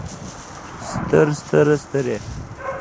ستر ستره سترې